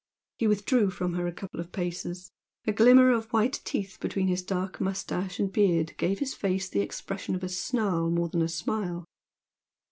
He withdrew from her a couple of paces, a glimmer of white teeth between his dark moustache and beard gave his face the expression of a snarl more than a smile.